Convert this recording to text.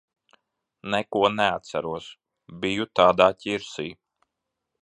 Neko neatceros. Biju tādā ķirsī.